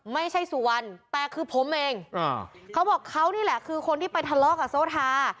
ไม่ใช่สุวรรณแต่คือผมเองเขาบอกเขานี่แหละคือคนที่ไปทะเลาะกับโซทา